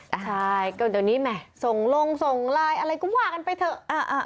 ใช่ก็เดี๋ยวนี้แหม่ส่งลงส่งไลน์อะไรก็ว่ากันไปเถอะ